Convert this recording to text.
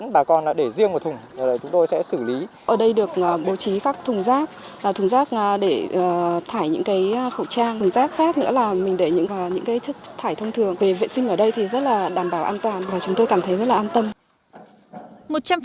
vệ sinh ở đây rất là đảm bảo an toàn và chúng tôi cảm thấy rất là an tâm